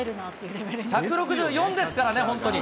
１６４ですからね、本当に。